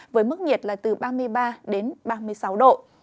với mức nhiệt là từ ba mươi ba đến ba mươi sáu độ